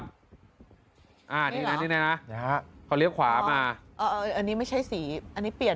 อ่านี่น่ะนี่น่ะครับเขาเลี้ยวขวามาอ่าอันนี้ไม่ใช่สีอันนี้เปลี่ยน